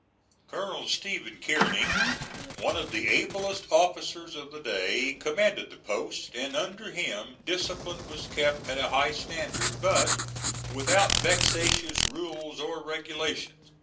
Colonel Steven Kearney, one of the ablest officers of the day, commanded the post, and under him discipline was kept at a high standard, but without vexatious rules or regulations.